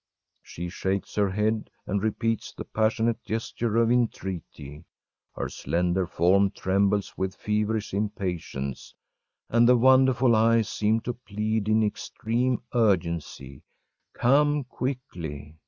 ‚ÄĚ She shakes her head, and repeats the passionate gesture of entreaty. Her slender form trembles with feverish impatience, and the wonderful eyes seem to plead, in extreme urgency: Come quickly!